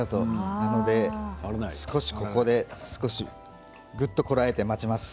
なので少しここでぐっとこらえて待ちます。